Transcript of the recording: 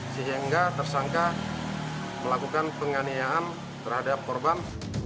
sehingga tersangka melakukan penganiayaan terhadap korban